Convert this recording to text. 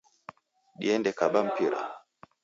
Diende kaba mpira